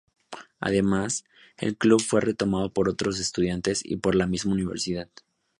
Además, el club fue retomado por otros estudiantes y por la misma Universidad.